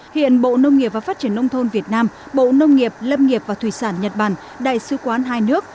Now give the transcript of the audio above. hiện bộ nông nghiệp và phát triển nông thôn việt nam bộ nông nghiệp lâm nghiệp và thủy sản nhật bản đại sứ quán hai nước